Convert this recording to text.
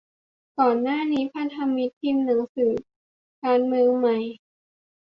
ก่อนหน้านี้ พันธมิตรพิมพ์หนังสือ 'การเมืองใหม่